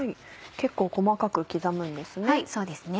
結構細かく刻むんですね。